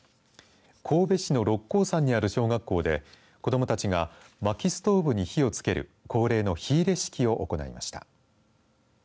神戸市の六甲山にある小学校で子どもたちがまきストーブに火をつける恒例の火入れ式を行いました。